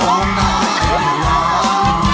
หลบไป